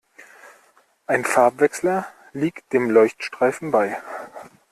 Ein Farbwechsler liegt dem Leuchtstreifen bei.